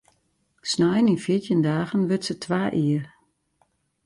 Snein yn fjirtjin dagen wurdt se twa jier.